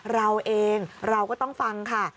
เราเองเราก็ต้องฟังค่ะ